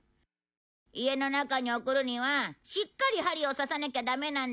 家の中に送るにはしっかり針を刺さなきゃダメなんだよ。